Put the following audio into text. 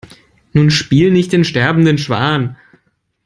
Nun spiel nicht den sterbenden Schwan.